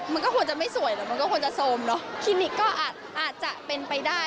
มันก็ควรจะไม่สวยหรอกมันก็ควรจะโซมเนอะคลินิกก็อาจจะเป็นไปได้